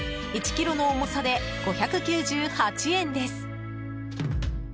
１ｋｇの重さで５９８円です。